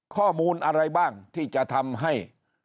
ข้อมูลอะไรบ้างที่จะทำให้